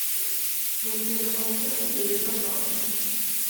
mu gihe twumvise ibyo binyoma